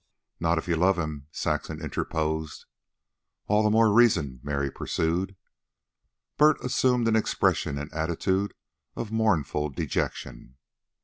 "Not if you love him," Saxon interposed. "All the more reason," Mary pursued. Bert assumed an expression and attitude of mournful dejection.